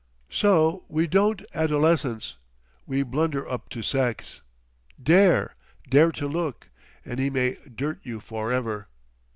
So we don't adolescence; we blunder up to sex. Dare—dare to look—and he may dirt you for ever!